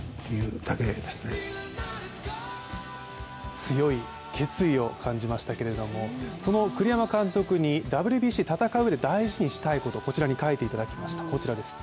強い決意を感じましたけれども、その栗山監督にＷＢＣで戦ううえで大事にしたいことをこちらに書いていただきました。